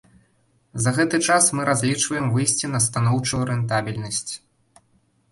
За гэты час мы разлічваем выйсці на станоўчую рэнтабельнасць.